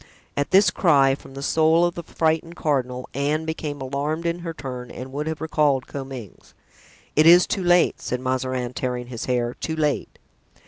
At this cry from the soul of the frightened cardinal, Anne became alarmed in her turn and would have recalled Comminges. "It is too late," said Mazarin, tearing his hair, "too late!"